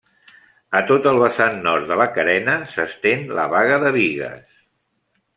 A tot el vessant nord de la carena s'estén la Baga de Bigues.